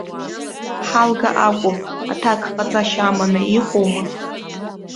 Ҳалга акәым, аҭак ҟаҵашьа аманы иҟоума?